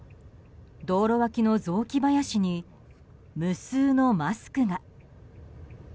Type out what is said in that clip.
道路脇の雑木林に無数のマスクが。